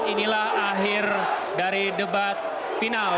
inilah akhir dari debat final